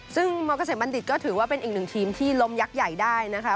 ซึ่งมเกษมบัณฑิตก็ถือว่าเป็นอีกหนึ่งทีมที่ล้มยักษ์ใหญ่ได้นะคะ